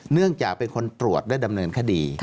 เนื่องจากเป็นคนตรวจและดำเนินคดี